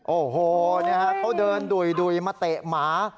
โอโหนี่ครับเขาเดินดุรยมาเตะหมา